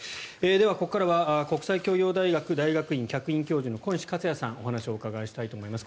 では、ここからは国際教養大学大学院客員教授の小西克哉さんにお話を伺いたいと思います。